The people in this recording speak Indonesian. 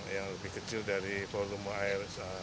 yang lebih kecil dari volume air